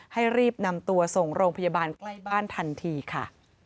ให้รีบนำตัวส่งโรงพยาบาลใกล้บ้านทันทีค่ะ